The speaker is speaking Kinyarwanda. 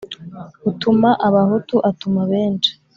Utuma abahutu atuma benshi.